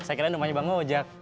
saya kirain rumahnya bang ojak